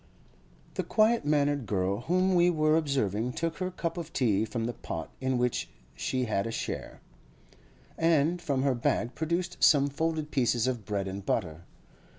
The quiet mannered girl whom we were observing took her cup of tea from the pot in which she had a share, and from her bag produced some folded pieces of bread and butter.